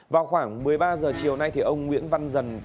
vào khoảng một mươi ba h chiều nay ông nguyễn văn dần